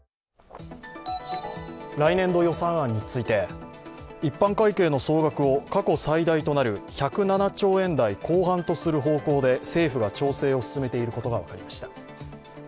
来年度予算案について、一般会計の総額を過去最大となる１０７兆円台後半とする方向で政府が調整を進めていることが分かりました。